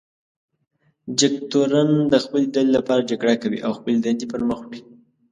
جګتورن د خپلې ډلې لپاره جګړه کوي او خپلې دندې پر مخ وړي.